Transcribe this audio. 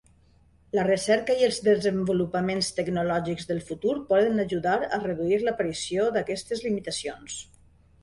La recerca i els desenvolupaments tecnològics del futur poden ajudar a reduir l'aparició d'aquestes limitacions.